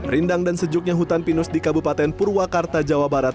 rindang dan sejuknya hutan pinus di kabupaten purwakarta jawa barat